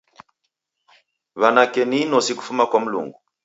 Wanake ni inosi kufuma kwa mlungu.